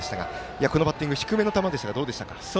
このバッティング低めの球でしたがどうでしたか。